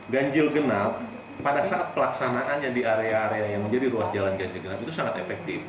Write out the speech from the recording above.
ganjil genap pada saat pelaksanaannya di area area yang menjadi ruas jalan ganjil genap itu sangat efektif